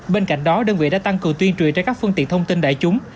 bên cạnh đó đơn vị đã tăng cử tuyên truyền ra các phương tiện thông tin đại chúng